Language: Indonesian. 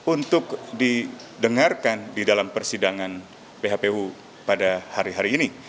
untuk didengarkan di dalam persidangan phpu pada hari hari ini